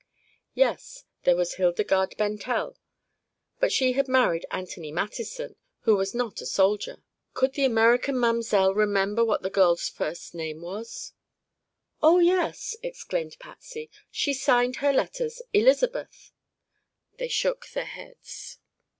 Yes; there was Hildegarde Bentel, but she had married Anthony Mattison, who was not a soldier. Could the American mamselle remember what the girl's first name was? "Oh, yes!" exclaimed Patsy. "She signed her letters 'Elizabeth.'" They shook their heads.